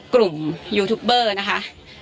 กลุ่มยูทูปเบอร์นะคะ